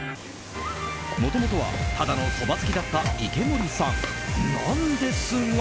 もともとはただのそば好きだった池森さんなんですが。